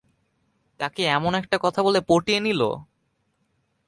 তাকে এমন একটা কথা বলে পটিয়ে নিলো?